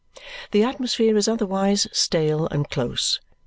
The atmosphere is otherwise stale and close.